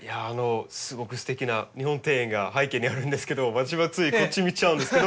すごくすてきな日本庭園が背景にあるんですけど私はついこっち見ちゃうんですけど。